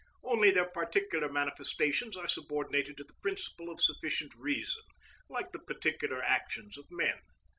Only their particular manifestations are subordinated to the principle of sufficient reason, like the particular actions of men.